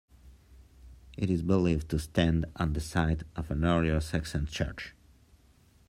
It is believed to stand on the site of an earlier Saxon church.